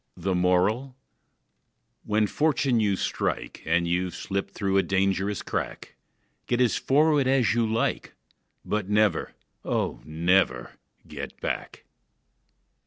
The Moral: When fortune you strike, And you've slipped through a dangerous crack, Get as forward as ever you like, But never, oh, never get back!